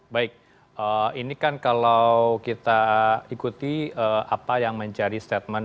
baik ini kan kalau kita ikuti apa yang mencari statement